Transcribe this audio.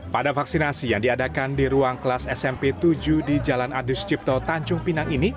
pada vaksinasi yang diadakan di ruang kelas smp tujuh di jalan adi sucipto tanjung pinang ini